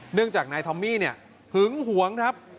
เนื่องจากนายทอมมี่เนี่ยหึงหวงครับ